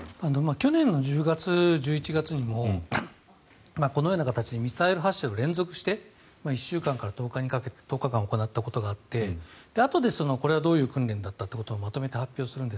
去年の１０月、１１月にもこのような形でミサイル発射を連続して１週間から１０日間行ったことがあってあとで、これはどういう訓練だったということをまとめて発表するんです。